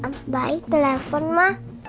mbak it melepon ma